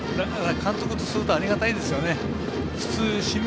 監督とするとありがたいですよね。